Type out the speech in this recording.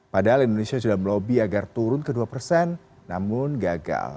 padahal indonesia sudah melobi agar turun ke dua persen namun gagal